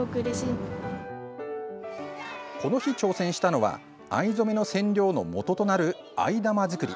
この日、挑戦したのは藍染めの染料の元となる藍玉作り。